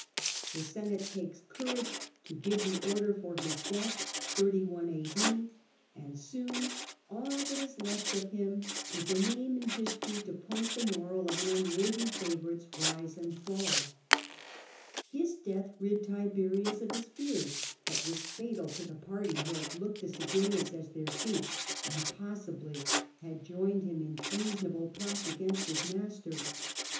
The Senate takes courage to give the order for his death, and soon all that is left of him is a name in history to point the moral of an unworthy favourite's rise and fall. His death rid Tiberius of his fears, but was fatal to the Cruelty of purty who had looked to Sejanus as their Tiberius to chief, and possibly had joined him in the friends or i i i ... piirtisansof treasonable plots against his master.